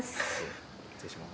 失礼します。